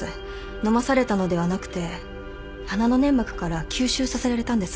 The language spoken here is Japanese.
飲まされたのではなくて鼻の粘膜から吸収させられたんです。